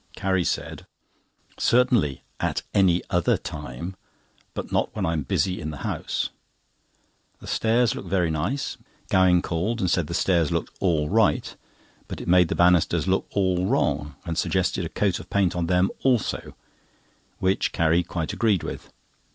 Carrie said: "Certainly—at any other time, but not when I am busy in the house." The stairs looked very nice. Gowing called, and said the stairs looked all right, but it made the banisters look all wrong, and suggested a coat of paint on them also, which Carrie quite agreed with.